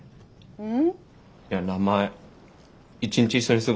うん。